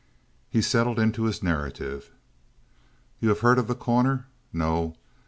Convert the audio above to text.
He settled into his narrative. "You have heard of The Corner? No?